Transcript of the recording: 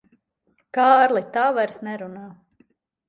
Kārli, tā vairs nerunā.